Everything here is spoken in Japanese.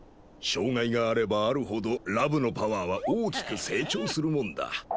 障害があればあるほどラブのパワーは大きく成長するもんだ。